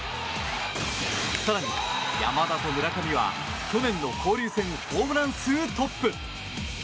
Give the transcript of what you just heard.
更に、山田と村上は去年の交流戦ホームラン数トップ。